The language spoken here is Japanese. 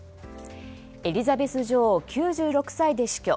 エリザベス女王、９６歳で死去。